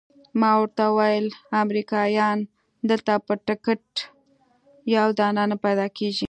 ما ورته وویل امریکایان دلته په ټکټ یو دانه نه پیدا کیږي.